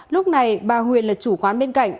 lúc này bà huyền là chủ quán bên cạnh